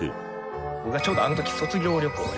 僕はちょうどあの時卒業旅行へ。